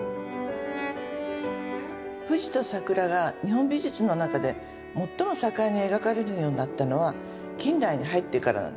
富士と桜が日本美術の中で最も盛んに描かれるようになったのは近代に入ってからなんですね。